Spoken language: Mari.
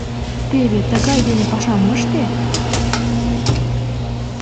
Теве тыгай дене пашам ыште!..